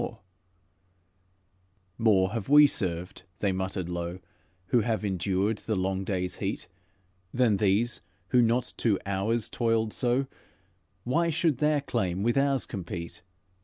'" "'More have we served,' they muttered low, 'Who have endured the long day's heat, Than these who not two hours toiled so; Why should their claim with ours compete?'